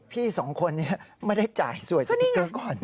พี่สองคนนี้ไม่ได้จ่ายสวยสติ๊กเกอร์ก่อน